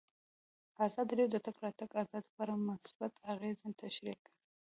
ازادي راډیو د د تګ راتګ ازادي په اړه مثبت اغېزې تشریح کړي.